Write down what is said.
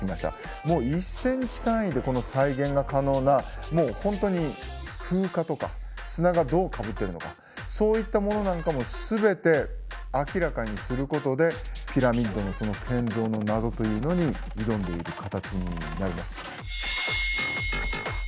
もう１センチ単位でこの再現が可能なもう本当に風化とか砂がどうかぶってるのかそういったものなんかも全て明らかにすることでピラミッドのこの建造の謎というのに挑んでいる形になります。